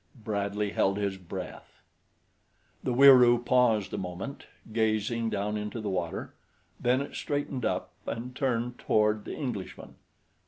Bradley held his breath. The Wieroo paused a moment, gazing down into the water, then it straightened up and turned toward the Englishman.